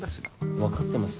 分かってます。